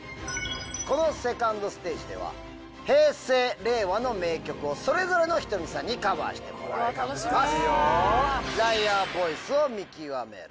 このセカンドステージでは平成令和の名曲をそれぞれのｈｉｔｏｍｉさんにカバーしてもらいます。